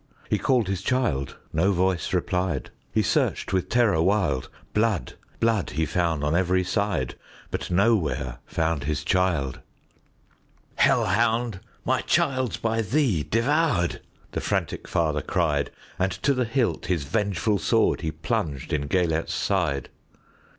He called his child,—no voice replied,—He searched with terror wild; Blood, blood, he found on every side, But nowhere found his child."Hell hound! my child 's by thee devoured,"The frantic father cried; And to the hilt his vengeful swordHe plunged in Gêlert's side.